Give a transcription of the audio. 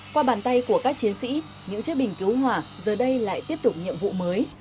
qua bàn tay của các chiến sĩ những chiếc bình cứu hỏa giờ đây lại tiếp tục nhiệm vụ mới